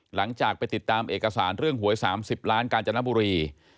หลังจากไปติดตามเอกสารเรื่องหวย๓๐ล้านกาญจนบุรี